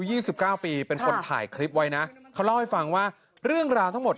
สิบเก้าปีเป็นคนถ่ายคลิปไว้นะเขาเล่าให้ฟังว่าเรื่องราวทั้งหมด